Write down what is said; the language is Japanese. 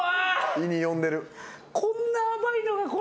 胃に呼んでる。